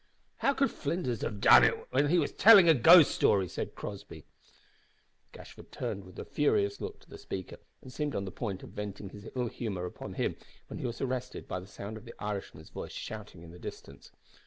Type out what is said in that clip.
"How could Flinders ha' done it when he was tellin' a ghost story?" said Crossby. Gashford turned with a furious look to the speaker, and seemed on the point of venting his ill humour upon him, when he was arrested by the sound of the Irishman's voice shouting in the distance.